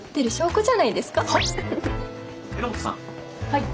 はい。